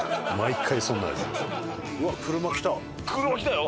車来たよ！